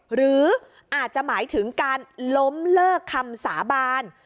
หรืออาจจะหมายถึงการล้มเลิกคำสาบาน